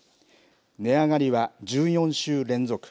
値上がりは１４週連続。